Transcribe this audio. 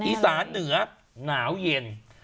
อีสานเหนือหนาวเย็น